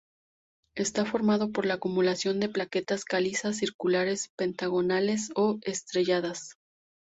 Está formado por la acumulación de plaquetas calizas circulares, pentagonales, o estrelladas.